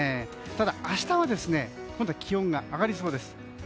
ただ、明日は今度は気温が上がりそうです。